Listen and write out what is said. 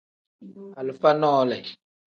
Alifa nole.